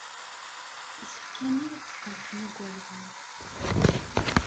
Isefka-nni ad sfeṛḥen igerdan.